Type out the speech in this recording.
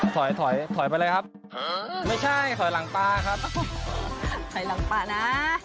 ถอยถอยถอยไปเลยครับไม่ใช่ถอยหลังปลาครับถอยหลังป่านะ